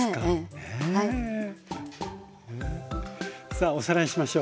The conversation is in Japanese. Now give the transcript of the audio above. さあおさらいしましょう。